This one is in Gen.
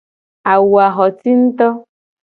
Awu a xo ci nguto.